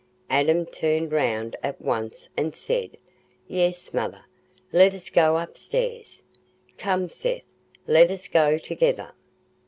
Adam turned round at once and said, "Yes, mother; let us go upstairs. Come, Seth, let us go together."